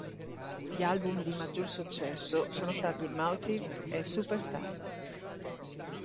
Gli album di maggior successo sono stati "Motive" e "Superstar".